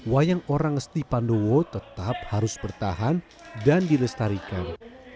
wayang orang ngesti pandowo tetap harus bertahan dan dilestarikan